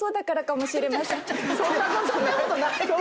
そんなことない！